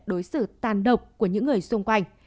đối xử tàn độc của những người xung quanh